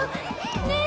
ねえ！